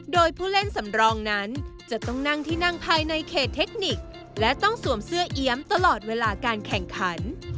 โดยผู้เล่นสำรองนั้นจะต้องนั่งที่นั่งภายในเขตเทคนิคและต้องสวมเสื้อเอี๊ยมตลอดเวลาการแข่งขัน